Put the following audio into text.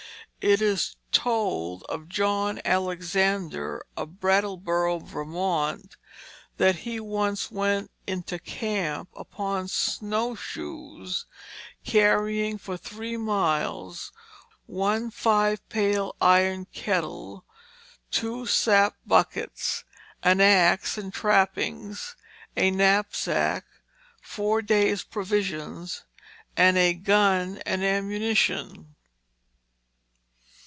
It is told of John Alexander of Brattleboro, Vermont, that he once went into camp upon snowshoes carrying for three miles one five pail iron kettle, two sap buckets, an axe and trappings, a knapsack, four days' provisions, and a gun and ammunition.